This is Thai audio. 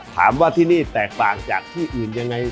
ถามว่าที่นี่แตกต่างจากที่อื่นยังไง